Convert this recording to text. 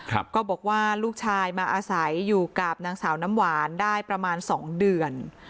ก็บอกว่าลูกชายมาอาศัยอยู่กับนางสาวน้ำหวานได้ประมาณสองเดือน